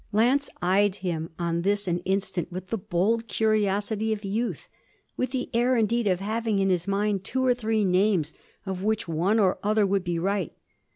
Lance eyed him on this an instant with the bold curiosity of youth with the air indeed of having in his mind two or three names, of which one or other would be right.